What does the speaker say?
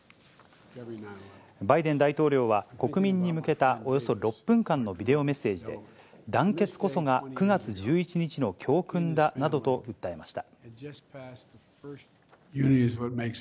バイデン大統領は国民に向けたおよそ６分間のビデオメッセージで、団結こそが９月１１日の教訓だなどと訴えました。